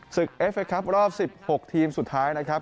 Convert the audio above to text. ศึกศุกร์เอเฟอร์ครับรอบสิบหกทีมสุดท้ายนะครับ